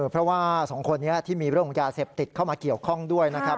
เพราะว่าสองคนนี้ที่มีเรื่องของยาเสพติดเข้ามาเกี่ยวข้องด้วยนะครับ